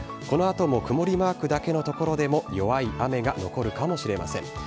このあとも曇りマークだけの所でも、弱い雨が残るかもしれません。